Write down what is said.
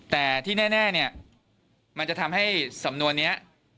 แต่ที่แน่เนี่ยมันจะทำให้สำนวนนี้